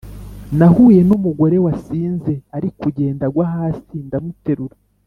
Nahuye ni umugore wasinze arikugenda agwa hasi ndamuterura